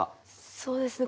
そうですね